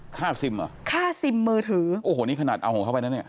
ซิมเหรอค่าซิมมือถือโอ้โหนี่ขนาดเอาของเขาไปนะเนี่ย